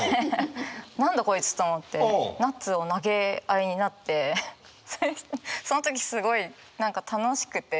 何だこいつと思ってナッツを投げ合いになってその時すごい何か楽しくて。